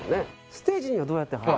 ステージにはどうやって入る？